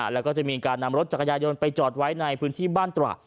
แล้วก็จะมีการนำรถจักรยายนต์ไปจอดไว้ในพื้นที่บ้านตระ